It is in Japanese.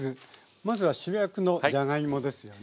まずは主役のじゃがいもですよね。